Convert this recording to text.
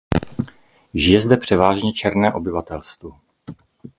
Žije zde převážně černé obyvatelstvo.